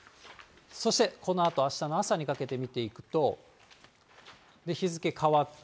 そして、このあとあしたの朝にかけて見ていくと、日付変わって。